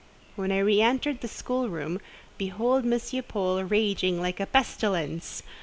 When I re entered the schoolroom, behold M. Paul raging like a pestilence!